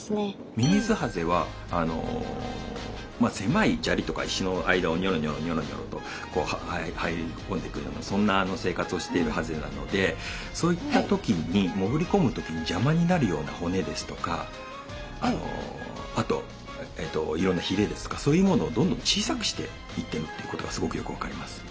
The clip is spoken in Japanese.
ミミズハゼは狭い砂利とか石の間をにょろにょろにょろにょろとこう入り込んでいくようなそんな生活をしているハゼなのでそういった時に潜り込む時に邪魔になるような骨ですとかあといろんなひれですとかそういうものをどんどん小さくしていっているってことがすごくよく分かります。